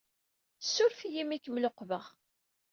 Ssuref-iyi imi ay kem-luqbeɣ.